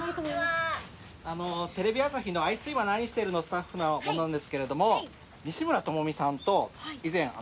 テレビ朝日の『あいつ今何してる？』のスタッフの者なんですけれども。